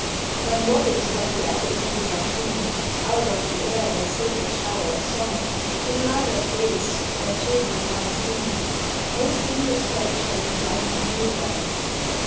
When robins from the apple trees are flinging Out on the air their silver shower of song, In lilac days, when children run a singing, No single thought shall do thy memory wrong.